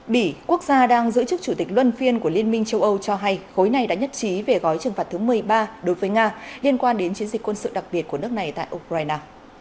bỉ quốc gia đang giữ chức chủ tịch luân phiên của liên minh châu âu cho hay khối này đã nhất trí về gói trừng phạt thứ một mươi ba đối với nga liên quan đến chiến dịch quân sự đặc biệt của nước này tại ukraine